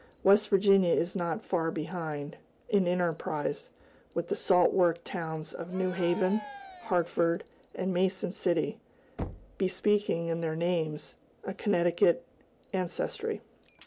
West Virginia is not far behind, in enterprise, with the salt work towns of New Haven, Hartford, and Mason City, bespeaking, in their names, a Connecticut ancestry.